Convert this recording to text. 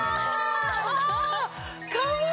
かわいい！